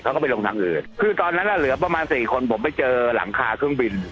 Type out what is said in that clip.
เขาก็ไปลงทางอื่นคือตอนนั้นอ่ะเหลือประมาณสี่คนผมไปเจอหลังคาเครื่องบิน